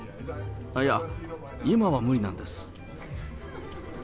いや、今は無理なんです。